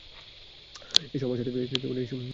এসো আমার সাথে।